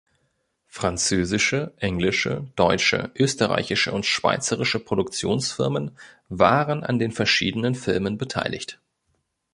Französische, englische, deutsche, österreichische und schweizerische Produktionsfirmen waren an den verschiedenen Filmen beteiligt.